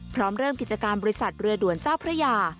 พร้อมเริ่มกิจกรรมบริษัทเรือด่วนเจ้าพระยา